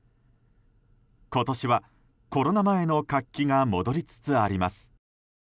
今年はコロナ前の活気が戻りつつあります。